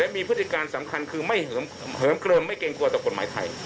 มีพฤติการสำคัญคือไม่เหิมเกลิมไม่เกรงกลัวต่อกฎหมายไทย